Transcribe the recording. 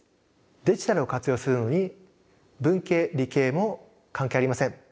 デジタルを活用するのに文系・理系も関係ありません。